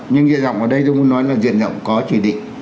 nhưng diện rộng ở đây tôi muốn nói là diện rộng có truyền định